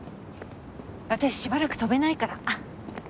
私しばらく飛べないから。